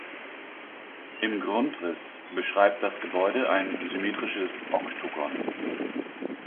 Im Grundriss beschreibt das Gebäude ein symmetrisches Oktogon.